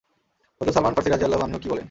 হযরত সালমান ফার্সী রাযিয়াল্লাহু আনহু কি বলেন।